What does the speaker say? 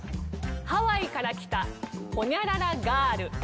ハワイから来たホニャララガール。